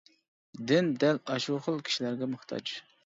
دىن دەل ئاشۇ خىل كىشىلەرگە موھتاج.